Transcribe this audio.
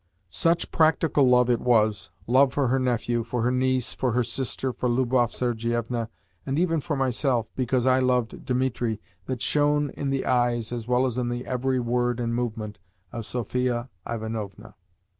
Such practical love it was love for her nephew, for her niece, for her sister, for Lubov Sergievna, and even for myself, because I loved Dimitri that shone in the eyes, as well as in the every word and movement, of Sophia Ivanovna.